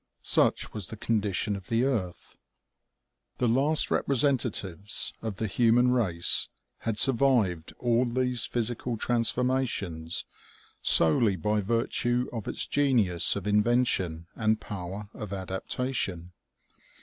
Such was the condition of the earth. The last repre sentatives of the human race had survived all these physi cal transformations solely by virtue of its genius of inven tion and power of adaptation.